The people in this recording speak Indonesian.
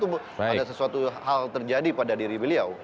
itu ada sesuatu hal terjadi pada diri beliau